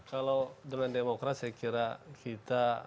kalau dengan demokrat saya kira kita